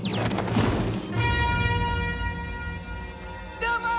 どうも！